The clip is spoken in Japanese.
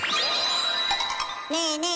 ねえねえ